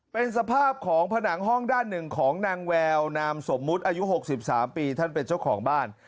เป็นสภาพของผนังห้องด้านหนึ่งของนางแววนามสมมุติอายุ๖๓ปีท่านเป็นเจ้าของบ้าน